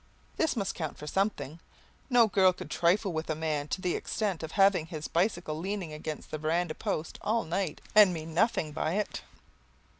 This must count for something. No girl could trifle with a man to the extent of having his bicycle leaning against the verandah post all night and mean nothing by it.